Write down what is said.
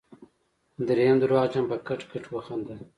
دريم درواغجن په کټ کټ وخندل.